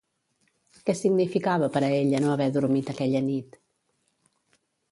Què significava per a ella no haver dormit aquella nit?